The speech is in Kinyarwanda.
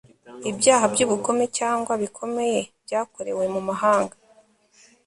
ibyaha by'ubugome cyangwa bikomeye byakorewe mu mahanga